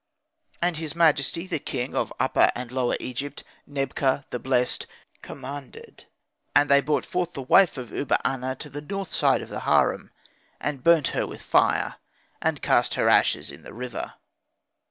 "And his majesty the king of Upper and Lower Egypt, Nebka, the blessed, commanded, and they brought forth the wife of Uba aner to the north side of the harem, and burnt her with fire, and cast her ashes in the river.